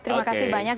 terima kasih banyak